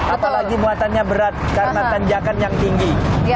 apalagi muatannya berat karena tanjakan yang tinggi